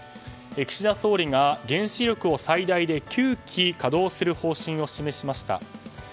岸田総理が原子力を最大で９基稼働する方針を示しました。